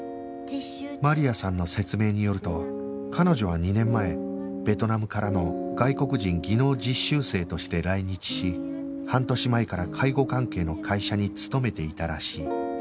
マリアさんの説明によると彼女は２年前ベトナムからの外国人技能実習生として来日し半年前から介護関係の会社に勤めていたらしい